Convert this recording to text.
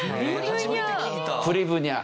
初めて聞いた。